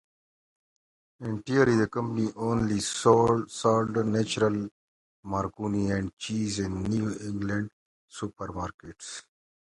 Initially, the company only sold "natural" macaroni and cheese, in New England supermarkets.